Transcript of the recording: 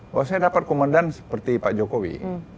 bahwa saya dapat komandan seperti pak jokowi